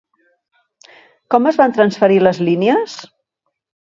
Com es van transferir les línies?